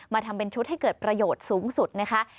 ทำเป็นชุดให้เกิดประโยชน์สูงสุดนะคะ